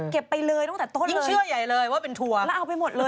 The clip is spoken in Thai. ไปเลยตั้งแต่ต้นเลยเชื่อใหญ่เลยว่าเป็นทัวร์แล้วเอาไปหมดเลย